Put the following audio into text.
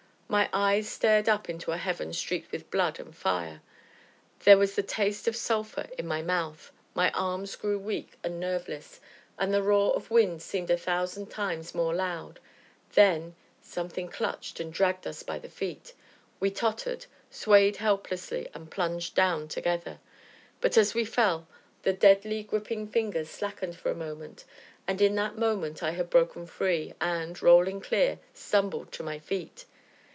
My eyes stared up into a heaven streaked with blood and fire, there was the taste of sulphur in my mouth, my arms grew weak and nerveless, and the roar of wind seemed a thousand times more loud. Then something clutched and dragged us by the feet, we tottered, swayed helplessly, and plunged down together. But, as we fell, the deadly, gripping fingers slackened for a moment, and in that moment I had broken free, and, rolling clear, stumbled up to my feet.